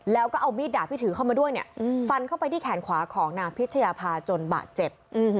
แล้วก็เอามีดดาบที่ถือเข้ามาด้วยเนี่ยฟันเข้าไปที่แขนขวาของนางพิชยาภาจนบาดเจ็บ